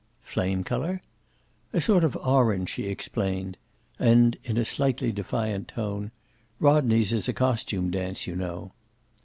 "Flame color?" "A sort of orange," she explained. And, in a slightly defiant tone: "Rodney's is a costume dance, you know."